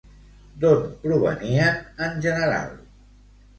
D'on provenien en general?